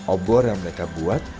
obor yang mereka buat